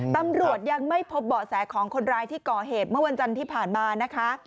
ตำรวจยังไม่พบเบาะแสของคนร้ายที่ก่อเหตุเมื่อวันจันทร์ที่ผ่านมานะคะ